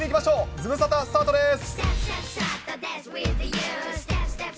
ズムサタスタートです。